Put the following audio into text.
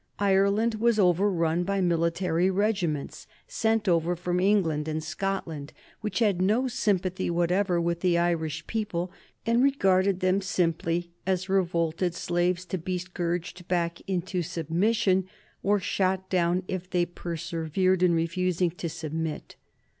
Ireland was overrun by militia regiments, sent over from England and Scotland, who had no sympathy whatever with the Irish people, and regarded them simply as revolted slaves to be scourged back into submission or shot down if they persevered in refusing to submit.